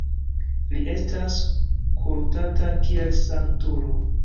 Li estas kultata kiel sanktulo.